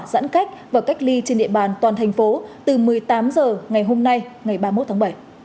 giãn cách và cách ly trên địa bàn toàn thành phố từ một mươi tám h ngày hôm nay ngày ba mươi một tháng bảy